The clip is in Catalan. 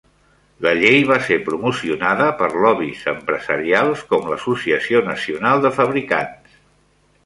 La llei va ser promocionada per lobbies empresarials com l"Associació Nacional de Fabricants.